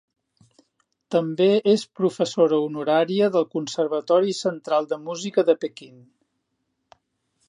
També és professora honoraria del Conservatori Central de Música de Pequín.